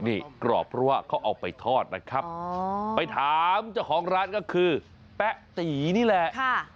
นี่กรอบเพราะว่าเขาเอาไปทอดนะครับไปถามเจ้าของร้านก็คือแป๊ะตีนี่แหละ